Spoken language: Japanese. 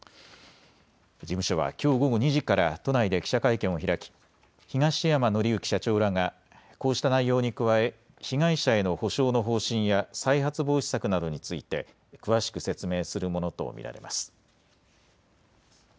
事務所はきょう午後２時から都内で記者会見を開き東山紀之社長らがこうした内容に加え、被害者への補償の方針や再発防止策などについて詳しく説明するものと見られます。